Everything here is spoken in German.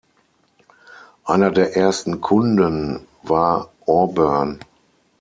Einer der ersten Kunden war Auburn.